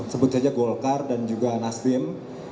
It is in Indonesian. sebut saja golkar dan juga nasdem